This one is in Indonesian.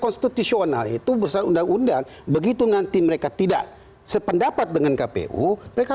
konstitusional itu besar undang undang begitu nanti mereka tidak sependapat dengan kpu mereka